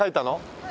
はい。